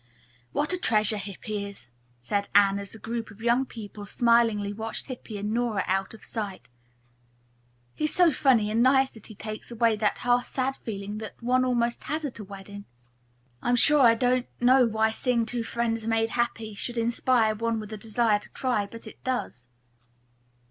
"What a treasure Hippy is," said Anne, as the group of young people smilingly watched Hippy and Nora out of sight. "He is so funny and nice that he takes away that half sad feeling that one almost always has at a wedding. I am sure I don't know why seeing two friends made happy should inspire one with a desire to cry, but it does."